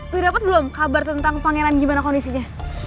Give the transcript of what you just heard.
lo dapet belum kabar tentang pangeran gimana kondisinya